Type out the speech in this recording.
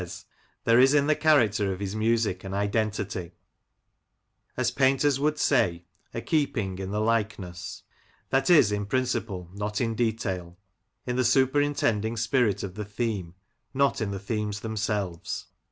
F 66 Lancashire Characters cind Places, "There is in the character of his music an identity; as painters would say, a keeping in the likeness ; that is, in principle, not in detail ; in the superintending spirit of the theme, not in the themes themselves.